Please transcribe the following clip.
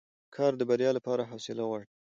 کار د بریا لپاره حوصله غواړي